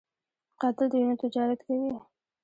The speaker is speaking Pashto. قاتل د وینو تجارت کوي